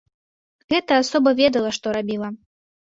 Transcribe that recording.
Гэта асоба ведала, што рабіла.